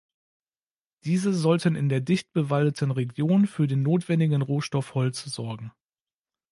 Diese sollten in der dicht bewaldeten Region für den notwendigen Rohstoff Holz sorgen.